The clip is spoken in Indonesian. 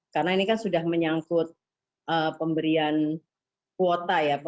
karena ini kan sudah menyangkut pemberian kuota ya